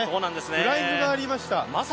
フライングがありました。